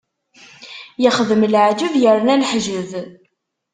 Ixdem leεǧeb yerna yeḥǧeb.